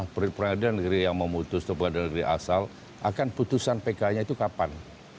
peradilan negeri yang memutus atau pengadilan negeri asal akan putusan pk nya itu kapan